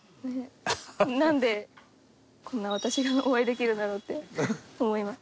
なんでこんな私がお会いできるんだろうって思います。